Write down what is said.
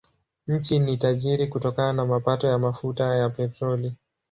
Nchi ni tajiri kutokana na mapato ya mafuta ya petroli.